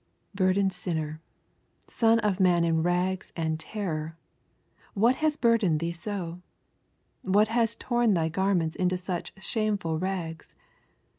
Burdened sinner, son of man in rags and terror: What has burdened thee so? What has torn thy garments into such shameful rags?